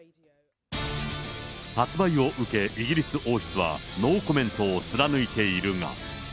発売を受け、イギリス王室はノーコメントを貫いているが。